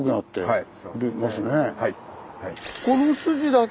はい。